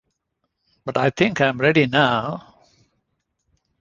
But I think I'm ready now...